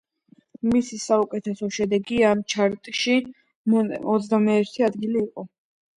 მისი საუკეთესო შედეგი ამ ჩარტში ოცდამეათე ადგილი იყო.